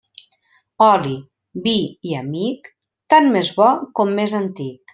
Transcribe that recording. Oli, vi i amic, tant més bo com més antic.